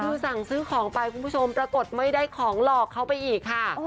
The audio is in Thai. คือสั่งซื้อของไปคุณผู้ชมปรากฏไม่ได้ของหลอกเขาไปอีกค่ะ